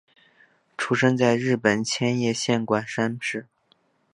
出生在日本千叶县馆山市。